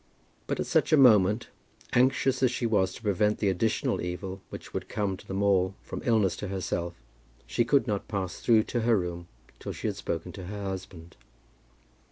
But at such a moment, anxious as she was to prevent the additional evil which would come to them all from illness to herself, she could not pass through to her room till she had spoken to her husband.